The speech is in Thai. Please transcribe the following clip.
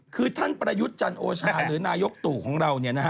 คือท่านประยุทธ์จันโอชาห์หรือนายกตู่ของเราเนี่ยนะฮะ